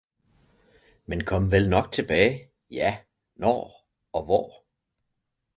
Men kom vel nok tilbage? Ja, når og hvor?